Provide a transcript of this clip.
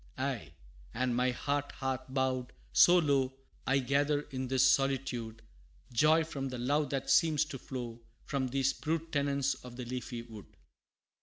Aye, and my heart hath bowed so low, I gather in this solitude, Joy from the love that seems to flow From these brute tenants of the leafy wood.